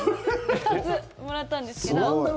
２つもらったんですけど。